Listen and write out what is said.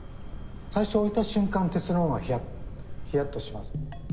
最初置いたしゅん間鉄の方がヒヤッとします。